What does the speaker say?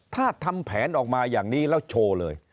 ถ้าทำแผนออกมาอย่างนี้แล้วโชว์เลย